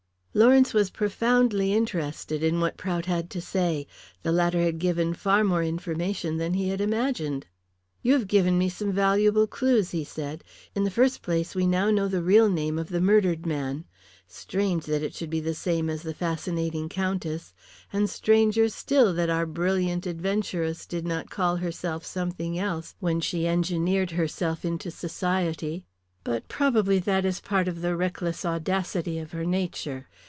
Lawrence was profoundly interested in what Prout had to say. The latter had given far more information than he had imagined. "You have given me some valuable clues," he said. "In the first place we now know the real name of the murdered man. Strange that it should be the same as the fascinating Countess! And stranger still that our brilliant adventuress did not call herself something else when she engineered herself into society. But probably that is part of the reckless audacity of her nature.